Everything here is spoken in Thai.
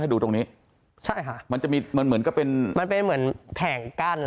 ดูตรงนี้ใช่ค่ะมันจะมีมันเหมือนกับเป็นมันเป็นเหมือนแผงกั้น